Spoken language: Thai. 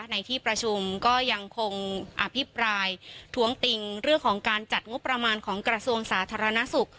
ในที่ประชุมก็ยังคงอภิปรายท้วงติงเรื่องของการจัดงบประมาณของกระทรวงสาธารณสุข